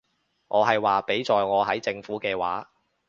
我係話，畀在我係政府嘅話